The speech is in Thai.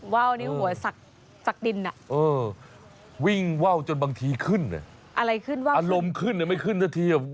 ว่าวนี้หัวสักดินวิ่งว่าวจนบางทีขึ้นอะไรขึ้นว่าวอารมณ์ขึ้นไม่ขึ้นสักที